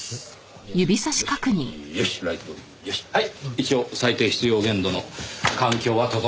一応最低必要限度の環境は整いました。